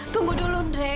tunggu dulu dre